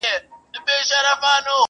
درد له نسل څخه تېرېږي تل..